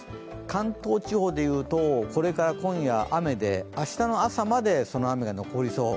関東地方でいうと、これから今夜、雨で、明日の朝までその雨が残りそう。